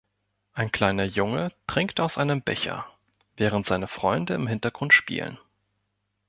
Ein kleiner Junge trinkt aus einem Becher, während seine Freunde im Hintergrund spielen